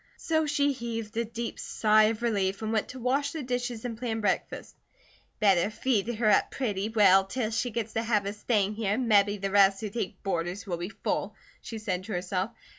So she heaved a deep sigh of relief and went to wash the dishes and plan breakfast. "Better feed her up pretty well 'til she gits the habit of staying here and mebby the rest who take boarders will be full," she said to herself.